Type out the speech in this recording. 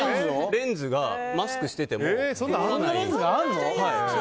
レンズがマスクしてても曇らない。